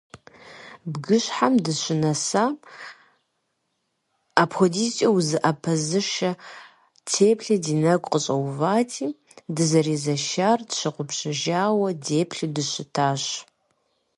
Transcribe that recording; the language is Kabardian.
Бгыщхьэм дыщынэсам, апхуэдизкӀэ узыӀэпызышэ теплъэ ди нэгу къыщӏэувати, дызэрезэшар тщыгъупщэжауэ, деплъу дыщытащ.